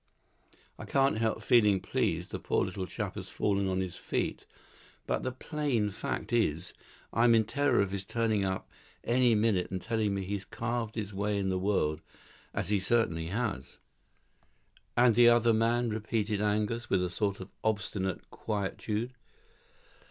I can't help feeling pleased the poor little chap has fallen on his feet; but the plain fact is, I'm in terror of his turning up any minute and telling me he's carved his way in the world as he certainly has." "And the other man?" repeated Angus with a sort of obstinate quietude.